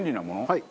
はい。